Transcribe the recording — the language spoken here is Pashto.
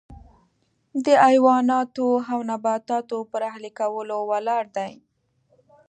د حیواناتو او نباتاتو پر اهلي کولو ولاړ دی.